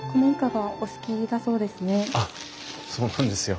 あっそうなんですよ。